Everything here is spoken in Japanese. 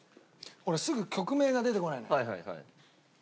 俺すぐ曲名が出てこないのよ。